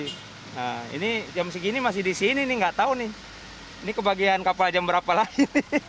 nah ini jam segini masih di sini nih nggak tahu nih ini kebagian kapal jam berapa lagi